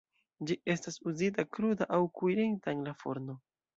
Ĝi estas uzita kruda aŭ kuirita en la forno.